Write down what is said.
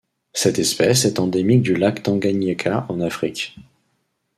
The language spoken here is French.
Cette espèce est endémique du lac Tanganyika en Afrique.